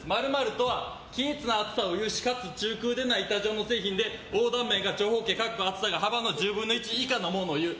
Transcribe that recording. ○○とは均一な暑さを有し中空でない板状の製品で横断面が長方形厚さが幅の１０分の１以下のものをいう。